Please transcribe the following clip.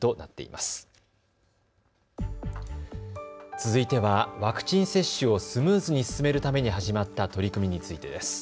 続いてはワクチン接種をスムーズに進めるために始まった取り組みについてです。